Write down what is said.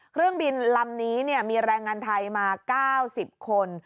เครื่องบินลำนี้มีแรงงานไทยมา๙๐คน